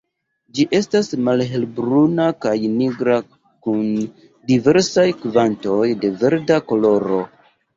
Ĝi estas malhelbruna kaj nigra kun diversaj kvantoj da verda koloro.